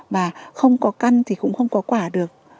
mà không có căn thì cũng không có quả được